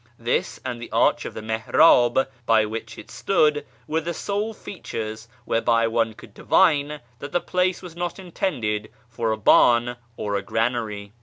This, and the arch of the mUprdh by which it stood, were the sole features whereby one could divine that the place was not intended for a barn or a granary.